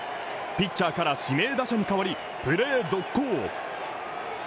ピッチャーから指名打者にかわりプレー続行。